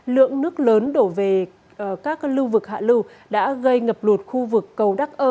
lượng nước lớn đổ về các lưu vực hạ lưu đã gây ngập lụt khu vực cầu đắc ơ